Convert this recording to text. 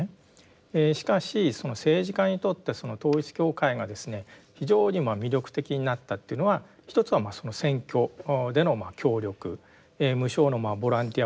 しかし政治家にとって統一教会がですね非常に魅力的になったというのは一つは選挙での協力無償のボランティアを派遣するであるとかですね